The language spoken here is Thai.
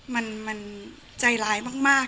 มันมันมันใจร้ายมาก